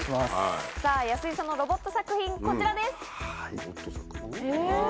さぁ安居さんのロボット作品こちらです。